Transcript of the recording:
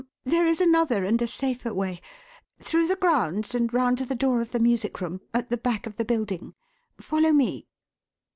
there is another and a safer way. Through the grounds and round to the door of the music room, at the back of the building. Follow me."